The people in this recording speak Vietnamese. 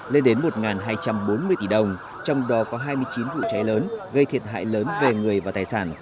lên đến một hai trăm bốn mươi tỷ đồng trong đó có hai mươi chín vụ cháy lớn gây thiệt hại lớn về người và tài sản